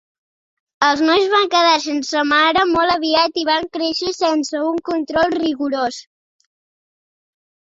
Els nois van quedar sense mare molt aviat i van créixer sense un control rigorós.